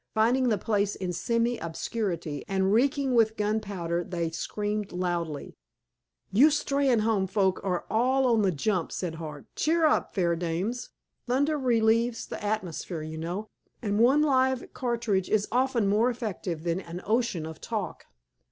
Finding the place in semi obscurity, and reeking with gunpowder, they screamed loudly. "You Steynholme folk are all on the jump," said Hart. "Cheer up, fair dames! Thunder relieves the atmosphere, you know, and one live cartridge is often more effective than an ocean of talk."